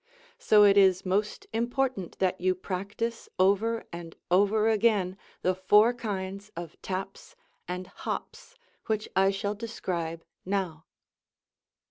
So it is most important that you practice over and over again the four kinds of "taps" and "hops" which I shall describe now.